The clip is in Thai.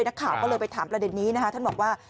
นักข่าวก็เลยไปถามประเด็นนี้นะคะท่านบอกว่า